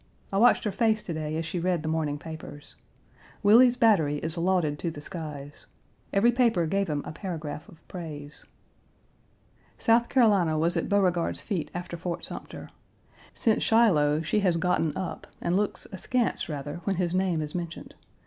I watched her face to day as she read the morning papers. Willie's battery is lauded to the skies. Every paper gave him a paragraph of praise. South Carolina was at Beauregard's feet after Fort Sumter. Since Shiloh, she has gotten up, and looks askance rather when his name is mentioned.